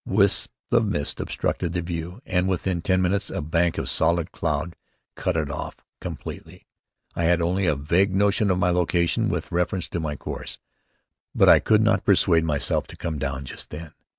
Wisps of mist obstructed the view, and within ten minutes a bank of solid cloud cut it off completely. I had only a vague notion of my location with reference to my course, but I could not persuade myself to come down just then.